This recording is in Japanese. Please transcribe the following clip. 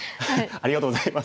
ありがとうございます。